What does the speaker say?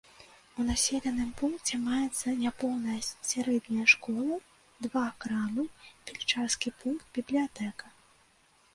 У населеным пункце маецца няпоўная сярэдняя школа, два крамы, фельчарскі пункт, бібліятэка.